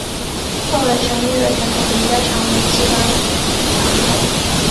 后来成立了全国人大常委会机关党委。